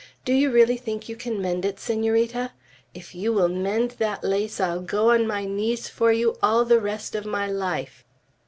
"Do you really think you can mend it, Senorita? If you will mend that lace, I'll go on my knees for you all the rest of my life!"